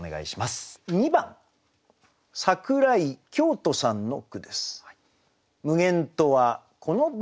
２番桜井教人さんの句です。